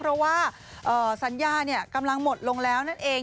เพราะว่าสัญญากำลังหมดลงแล้วนั่นเอง